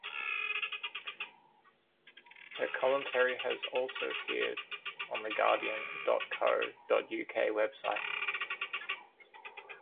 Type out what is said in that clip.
Her commentary has also appeared on the guardian dot co dot uk website.